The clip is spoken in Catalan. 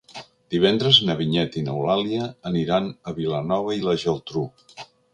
Divendres na Vinyet i n'Eulàlia aniran a Vilanova i la Geltrú.